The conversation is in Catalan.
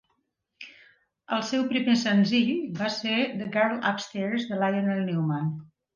El seu primer senzill va ser The Girl Upstairs. de Lionel Newman.